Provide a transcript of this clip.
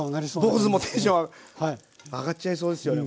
坊主もテンション上がっちゃいそうですよね